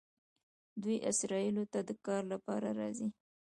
دوی اسرائیلو ته د کار لپاره راځي.